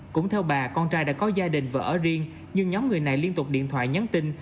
cũng theo bà con trai đã có gia đình và ở riêng nhưng nhóm người này liên tục điện thoại nhắn tin